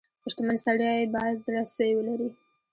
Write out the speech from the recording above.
• شتمن سړی باید زړه سوی ولري.